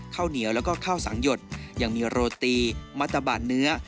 ข้าวเหนียวแล้วก็ข้าวสังหยดยังมีโรตีมัตตะบานเนื้อ